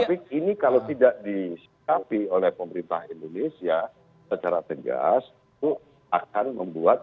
tapi ini kalau tidak disikapi oleh pemerintah indonesia secara tegas itu akan membuat